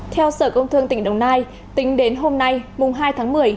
theo sở công thương tỉnh đồng nai tính đến hôm nay mùng hai tháng một mươi